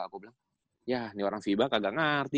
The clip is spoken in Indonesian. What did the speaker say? aku bilang ya ini orang vibanya kagak ngerti